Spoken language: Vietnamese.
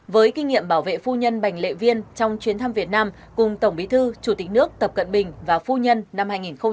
với kinh nghiệm bảo vệ phu nhân bành lệ viên trong chuyến thăm việt nam cùng tổng bí thư chủ tịch nước tập cận bình và phu nhân năm hai nghìn một mươi tám